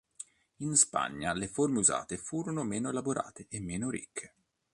In Spagna le forme usate furono meno elaborate e meno ricche.